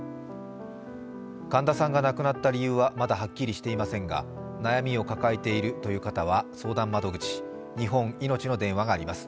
神田さんが亡くなった理由はまだはっきりしていませんが悩みを抱えている方は相談窓口日本いのちの電話があります。